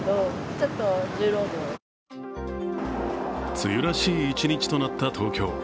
梅雨らしい一日となった東京。